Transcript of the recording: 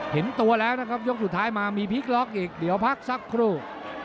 เห็นตัวแล้วนะครับยกสุดท้ายมามีพลิกล็อกอีกเดี๋ยวพักสักครู่